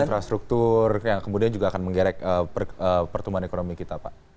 infrastruktur yang kemudian juga akan menggerek pertumbuhan ekonomi kita pak